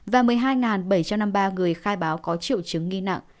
và một mươi hai bảy trăm năm mươi ba người khai báo có triệu chứng nghi nặng